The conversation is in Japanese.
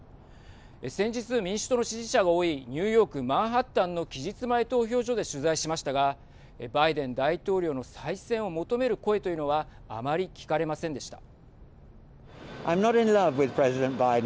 先日、民主党の支持者が多いニューヨーク、マンハッタンの期日前投票所で取材しましたがバイデン大統領の再選を求める声というのはあまり聞かれませんでした。